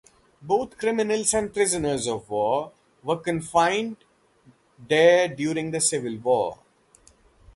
Both criminals and prisoners of war were confined there during the Civil War.